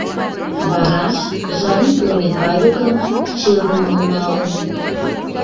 Вараш — жаритлыме кайыкым, чывым нумалын.